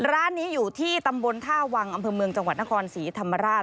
ร้านนี้อยู่ที่ตำบลท่าวังอำเภอเมืองจังหวัดนครศรีธรรมราช